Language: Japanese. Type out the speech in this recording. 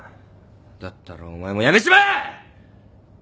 だったらお前も辞めちまえ！